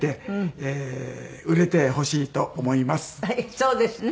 そうですね。